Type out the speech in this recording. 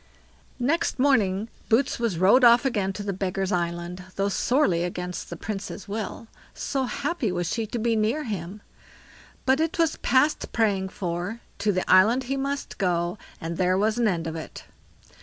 Next morning Boots was rowed off again to the Beggars' island, though sorely against the Princess' will, so happy was she to be near him; but it was past praying for; to the island he must go, and there was an end of it.